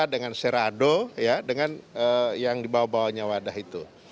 dengan serado dengan yang dibawah bawahnya wada itu